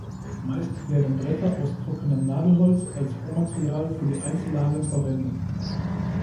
Meist werden Bretter aus trockenem Nadelholz als Rohmaterial für die Einzellagen verwendet.